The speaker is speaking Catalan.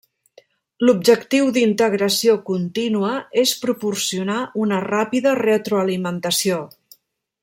L'objectiu d'integració contínua és proporcionar una ràpida retroalimentació.